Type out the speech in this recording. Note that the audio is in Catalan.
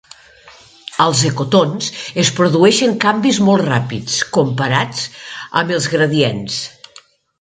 Als ecotons es produeixen canvis molt ràpids, comparats amb els gradients.